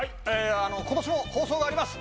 今年も放送があります！